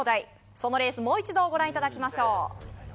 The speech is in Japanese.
そのレースもう一度ご覧いただきましょう。